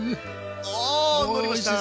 おのりました！